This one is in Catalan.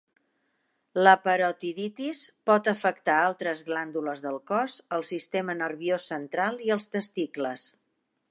La parotiditis pot afectar altres glàndules del cos, el sistema nerviós central i els testicles.